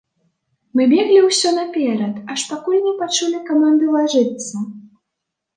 Мы беглі ўсё наперад, аж пакуль не пачулі каманды лажыцца.